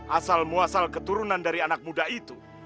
asal muasal keturunan dari anak muda itu